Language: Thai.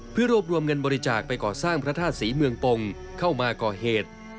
เพื่อรวบรวมเงินบริจาคไปก่อสร้างพระธาตุศรีเมืองปงเข้ามาก่อเหตุ